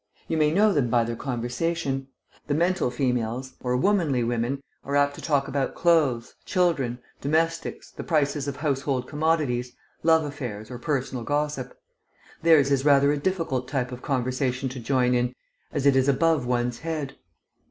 You may know them by their conversation. The mental females, or womanly women, are apt to talk about clothes, children, domestics, the prices of household commodities, love affairs, or personal gossip. Theirs is rather a difficult type of conversation to join in, as it is above one's head.